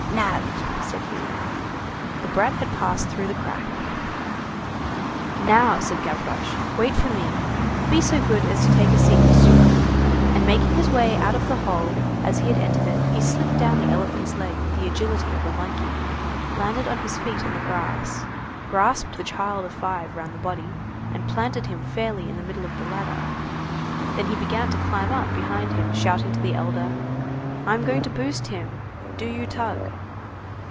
"Nabbed!" said he. The brat had passed through the crack. "Now," said Gavroche, "wait for me. Be so good as to take a seat, Monsieur." And making his way out of the hole as he had entered it, he slipped down the elephant's leg with the agility of a monkey, landed on his feet in the grass, grasped the child of five round the body, and planted him fairly in the middle of the ladder, then he began to climb up behind him, shouting to the elder:— "I'm going to boost him, do you tug."